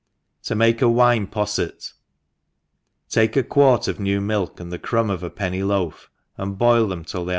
21? m(ike a Wine Posset. TAKE a quart of new milk, and the crumb , pf a penny loaf, and boil them till they